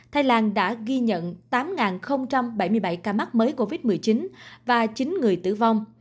thái lan đã ghi nhận tám bảy mươi bảy ca mắc mới covid một mươi chín và chín người tử vong